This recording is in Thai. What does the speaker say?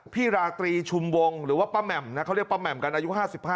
ราตรีชุมวงหรือว่าป้าแหม่มนะเขาเรียกป้าแหม่มกันอายุ๕๕